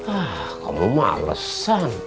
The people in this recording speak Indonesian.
ah kamu malesan